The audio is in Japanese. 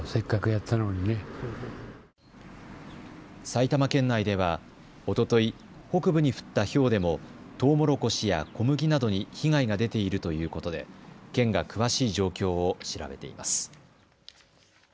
埼玉県内ではおととい北部に降ったひょうでもとうもろこしや小麦などに被害が出ているということで県が詳しい状況を調べています。